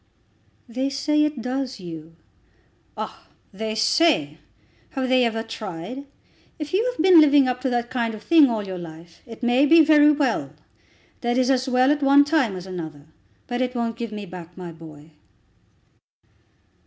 "They say it does, Hugh." "Ah! they say! Have they ever tried? If you have been living up to that kind of thing all your life, it may be very well; that is as well at one time as another. But it won't give me back my boy."